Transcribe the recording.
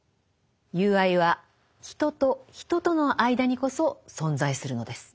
友愛は人と人との間にこそ存在するのです。